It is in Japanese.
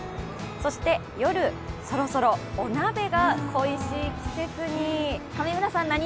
夜、そろそろお鍋が恋しい季節に。